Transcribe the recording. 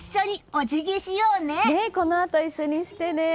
このあと一緒にしてね。